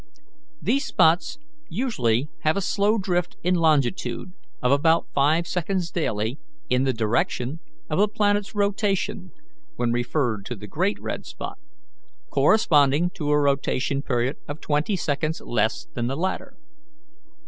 These spots usually have a slow drift in longitude of about five seconds daily in the direction of the planet's rotation, when referred to the great red spot; corresponding to a rotation period of twenty seconds less than the latter.'